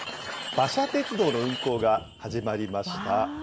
馬車鉄道の運行が始まりました。